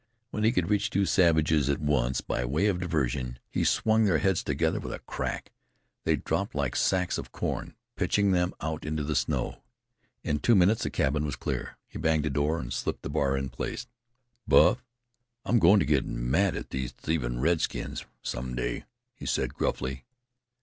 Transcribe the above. When he could reach two savages at once, by way of diversion, he swung their heads together with a crack. They dropped like dead things. Then he handled them as if they were sacks of corn, pitching them out into the snow. In two minutes the cabin was clear. He banged the door and slipped the bar in place. "Buff, I'm goin' to get mad at these thievin' red, skins some day," he said gruffly.